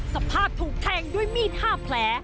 สภาพถูกแทงด้วยมีด๕แผล